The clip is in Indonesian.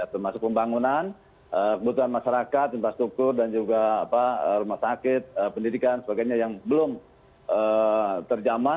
termasuk pembangunan kebutuhan masyarakat infrastruktur dan juga rumah sakit pendidikan sebagainya yang belum terjamah